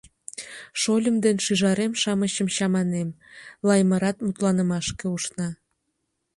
— Шольым ден шӱжарем-шамычым чаманем, — Лаймырат мутланымашке ушна.